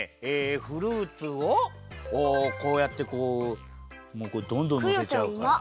フルーツをこうやってこうどんどんのせちゃうから。